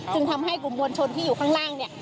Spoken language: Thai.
ซึ่งทำให้กลุ่มวลชนที่อยู่ข้างล่าง